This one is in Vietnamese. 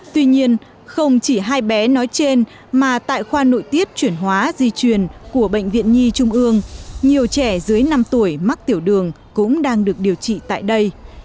tuy nhiên không chỉ hai bé nói trên mà tại khoa nội tiết chuyển hóa di truyền của bệnh viện nhi trung ương nhiều trẻ dưới năm tuổi mắc tiểu đường cũng đang được điều trị tại đây